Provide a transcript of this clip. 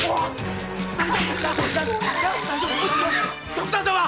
徳田様！